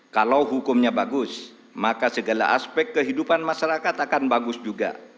kalau hukumnya bagus maka segala aspek kehidupan masyarakat akan bagus juga